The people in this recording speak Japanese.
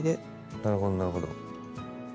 なるほどなるほど。